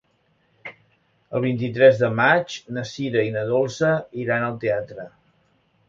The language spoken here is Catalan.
El vint-i-tres de maig na Sira i na Dolça iran al teatre.